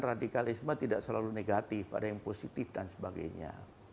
radikalisme tidak selalu negatif ada yang positif dan sebagainya